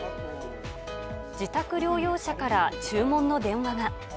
自宅療養者から注文の電話が。